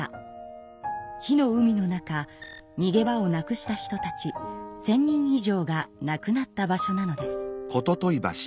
火の海の中にげ場をなくした人たち１，０００人以上が亡くなった場所なのです。